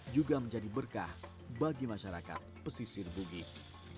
juga menjadi berkah bagi masyarakat pesisir bugis